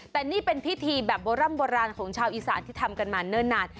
แต่นี่เป็นพิธีแบบโบร่ำโบราณของชาวอีสานที่ทำกันมาเนิ่นนาน